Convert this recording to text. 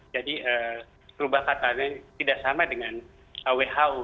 jadi perubahan katanya tidak sama dengan who